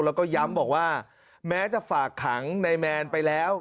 แล้วก็ย้ำบอกว่าแม้จะฝากขังในแมนไปแล้ว